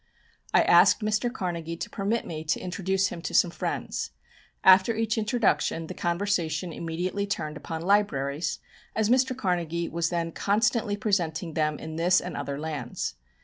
I asked Mr. Carnegie to permit me to introduce him to some friends. After each introduction the conversation immediately turned upon libraries, as Mr. Carnegie was then constantly presenting them in this and other lands.